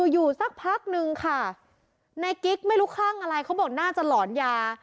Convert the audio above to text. อยู่สักพักนึงค่ะในกิ๊กไม่รู้คลั่งอะไรเขาบอกน่าจะหลอนยา